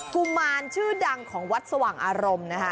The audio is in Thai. กุมารชื่อดังของวัดสว่างอารมณ์นะคะ